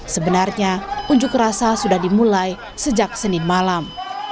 sebenarnya unjuk rasa sudah dimulai sejak senin malam